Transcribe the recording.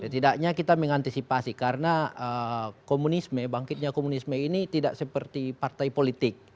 tidaknya kita mengantisipasi karena komunisme bangkitnya komunisme ini tidak seperti partai politik